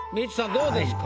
どうですか？